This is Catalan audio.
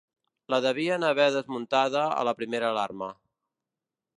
La devien haver desmuntada a la primera alarma